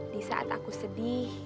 di saat aku sedih